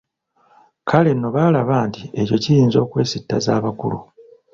Kale nno baalaba nti ekyo kiyinza okwesittaza abakulu.